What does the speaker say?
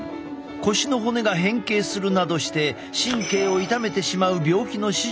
腰の骨が変形するなどして神経を痛めてしまう病気の手術をした。